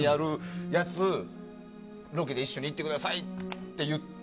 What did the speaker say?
テーマパークの中にあるやつロケで一緒に行ってくださいって言って。